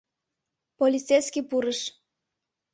Полицейский пурыш: